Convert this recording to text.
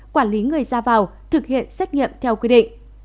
quản lý người ra vào thực hiện xét nghiệm theo quy định